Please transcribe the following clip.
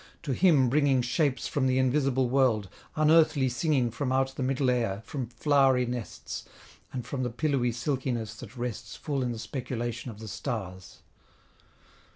to him bringing Shapes from the invisible world, unearthly singing From out the middle air, from flowery nests, And from the pillowy silkiness that rests Full in the speculation of the stars.